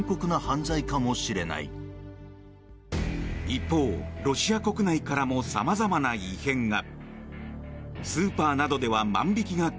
一方、ロシア国内からも様々な異変が。